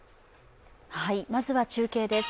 まずは中継です。